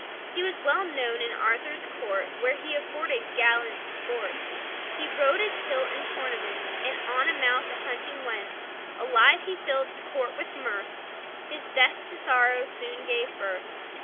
He was well known in Arthur's court, Where he afforded gallant sport; He rode a tilt and tournament, And on a mouse a hunting went. Alive he filled the court with mirth; His death to sorrow soon gave birth.